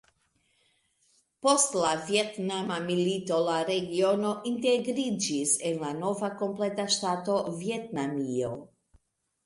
Post la Vjetnama Milito la regiono integriĝis en la nova kompleta ŝtato Vjetnamio.